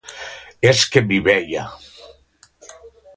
És que m'hi veia.